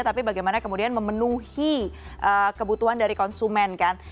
tapi bagaimana kemudian memenuhi kebutuhan dari konsumen kan